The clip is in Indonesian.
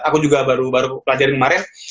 aku juga baru baru pelajarin kemarin